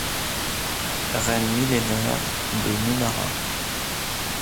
Reine millénaire de Numara.